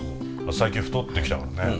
最近太ってきたからね